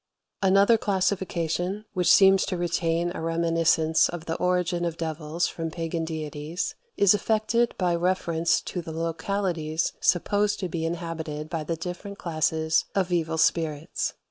[Footnote 1: Scot, p. 506.] 37. Another classification, which seems to retain a reminiscence of the origin of devils from pagan deities, is effected by reference to the localities supposed to be inhabited by the different classes of evil spirits.